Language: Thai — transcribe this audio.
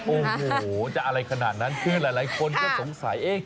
โอ้โหจะอะไรขนาดนั้นคือหลายคนก็สงสัยเอ๊ะ